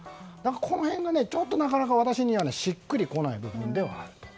この辺が、なかなか私にはしっくり来ない部分ではあります。